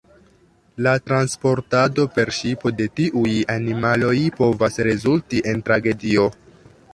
La transportado per ŝipo de tiuj animaloj povas rezulti en tragedio.